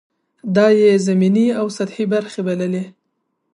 دا یې ضمني او سطحې برخې بللې.